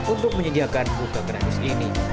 untuk menyediakan buka gratis ini